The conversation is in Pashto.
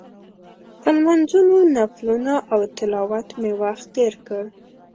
په لمونځونو، نفلونو او تلاوت مې وخت تېر کړ.